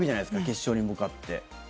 決勝に向かって。